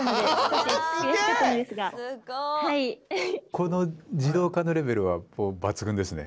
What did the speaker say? この自動化のレベルは抜群ですね。